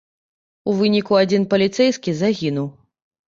У выніку адзін паліцэйскі загінуў.